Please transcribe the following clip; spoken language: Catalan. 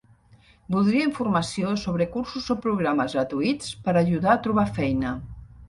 Voldria informació sobre cursos o programes gratuïts per ajudar a trobar feina.